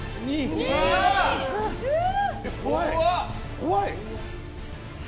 怖い！